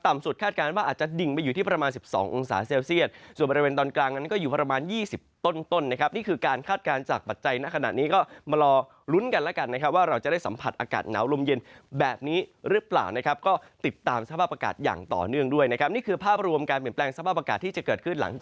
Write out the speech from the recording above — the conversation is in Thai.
สุดคาดการณ์ว่าอาจจะดิ่งไปอยู่ที่ประมาณ๑๒องศาเซลเซียตส่วนบริเวณตอนกลางนั้นก็อยู่ประมาณ๒๐ต้นนะครับนี่คือการคาดการณ์จากปัจจัยณขณะนี้ก็มารอลุ้นกันแล้วกันนะครับว่าเราจะได้สัมผัสอากาศหนาวลมเย็นแบบนี้หรือเปล่านะครับก็ติดตามสภาพอากาศอย่างต่อเนื่องด้วยนะครับนี่คือภาพรวมการเปลี่ยนแปลงสภาพอากาศที่จะเกิดขึ้นหลังจาก